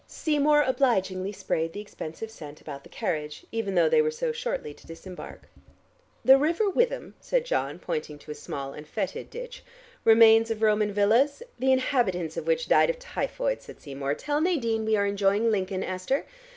Seymour obligingly sprayed the expensive scent about the carriage, even though they were so shortly to disembark. "The river Witham," said John, pointing to a small and fetid ditch. "Remains of Roman villas " "The inhabitants of which died of typhoid," said Seymour. "Tell Nadine we are enjoying Lincoln, Esther.